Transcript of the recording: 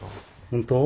本当？